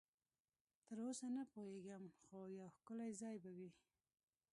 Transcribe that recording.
تراوسه نه پوهېږم، خو یو ښکلی ځای به وي.